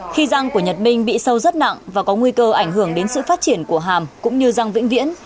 khi răng của nhật minh bị sâu rất nặng và có nguy cơ ảnh hưởng đến sự phát triển của hàm cũng như răng vĩnh viễn